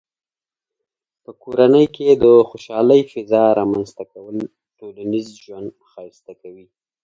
په کورنۍ کې د خوشحالۍ فضاء رامنځته کول ټولنیز ژوند ښایسته کوي.